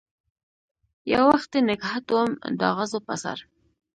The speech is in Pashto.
یووختي نګهت وم داغزو په سر